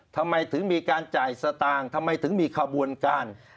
ทำไมถึงมีการจ่ายสตางค์ทำไมถึงมีขบวนการ